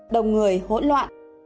đồng người hỗn loạn